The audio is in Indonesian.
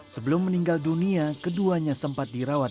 sebelum meninggal dunia keduanya sempat dirawat